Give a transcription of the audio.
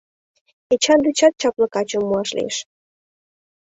Эчан дечат чапле качым муаш лиеш.